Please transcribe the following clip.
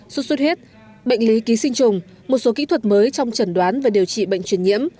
suốt suốt hết bệnh lý ký sinh trùng một số kỹ thuật mới trong trần đoán và điều trị bệnh truyền nhiễm